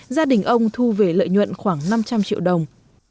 gia đình ông thu về lợi nhuận khoảng năm trăm linh triệu đồng